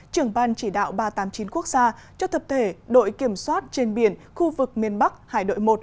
trưởng ban chỉ đạo ba trăm tám mươi chín quốc gia cho thập thể đội kiểm soát trên biển khu vực miền bắc hải đội một